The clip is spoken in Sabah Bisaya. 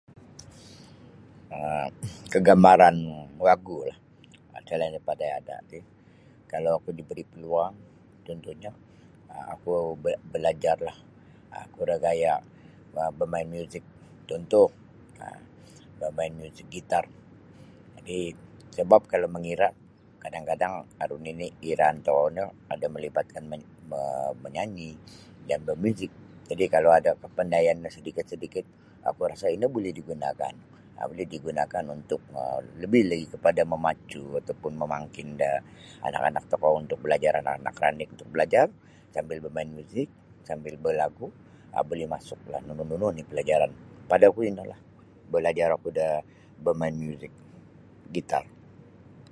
um kagamaran wagulah selain daripada ada' ti kalau oku diberi' peluang cuntuhnyo um oku balajarlah um kuro gaya' bamain miuzik cuntuh um bamain miuzik gitar jadi' sebap kalau mangira' kadang-kadang aru nini' iraan tokou no ada melibatkan mo manyanyi main jaan bamiuzik jadi' kalau aru kapandayan no sadikit-sadikit oku rasa' ino buli digunakan um buli digunakan untuk um lebih lagi kepada memacu atau pun mamangkin anak-anak tokou anak-anak ranik balajar sambil bamain miuzik sambil balagu' buli masuklah nunu-nunu oni' palajaran pada oku ino balajar oku da bamain miuzik gitar.